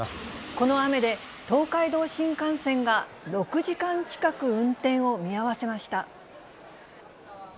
この雨で、東海道新幹線が６時間近く運転を見合わせました。